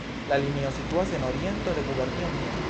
La linio situas en oriento de Gubernio Mie.